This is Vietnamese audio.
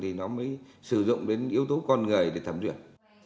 thì nó mới sử dụng đến yếu tố con người để thẩm duyệt